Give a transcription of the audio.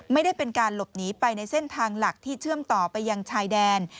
ไม่ได้เป็นการหลบหนีไปในเส้นทางหลักที่เชื่อมต่อไปยังชายแดน